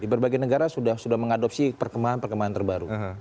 di berbagai negara sudah mengadopsi perkembangan perkembangan terbaru